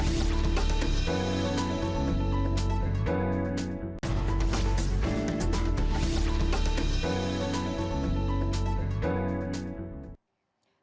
asal asal yang kehidupan di jakarta terjaga